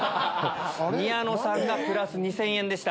宮野さんがプラス２０００円でした。